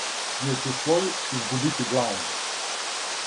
Јер ћеш своју изгубити главу,